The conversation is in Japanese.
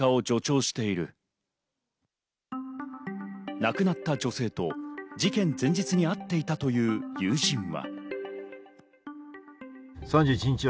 亡くなった女性と事件前日に会っていたという友人は。